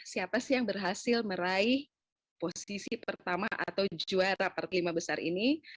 siapa sih yang berhasil meraih posisi pertama atau juara parti lima